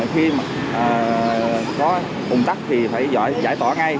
nếu có bùng tắc thì phải giải tỏa ngay